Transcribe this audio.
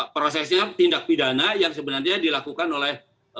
prosesnya tindak pidana yang sebenarnya dilakukan oleh